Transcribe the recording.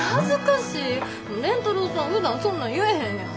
蓮太郎さんふだんそんなん言えへんやん。